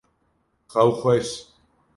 Xew xweş!